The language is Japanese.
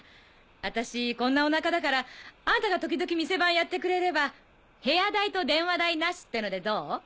私こんなお腹だからあんたが時々店番やってくれれば部屋代と電話代なしってのでどう？